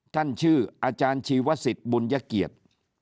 ท่านคืออาจารย์ชีวสิทธิ์บุญยเกียจ